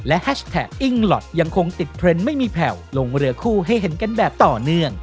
แฮชแท็กอิ้งหลอทยังคงติดเทรนด์ไม่มีแผ่วลงเรือคู่ให้เห็นกันแบบต่อเนื่อง